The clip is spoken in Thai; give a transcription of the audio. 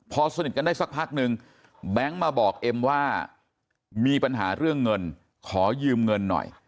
พอสนิทกันได้สักพักนึงแบงค์มาบอกเอ็มว่ามีปัญหาเรื่องเงินขอยืมเงินหน่อย